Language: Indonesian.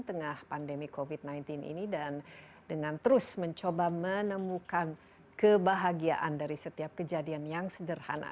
tengah pandemi covid sembilan belas ini dan dengan terus mencoba menemukan kebahagiaan dari setiap kejadian yang sederhana